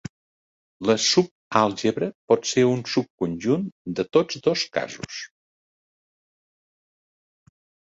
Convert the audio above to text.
La subàlgebra pot ser un subconjunt de tots dos casos.